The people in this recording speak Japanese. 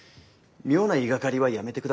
妙な言いがかりはやめて下さい。